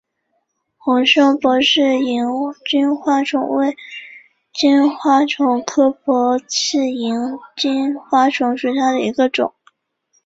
红胸薄翅萤金花虫为金花虫科薄翅萤金花虫属下的一个种。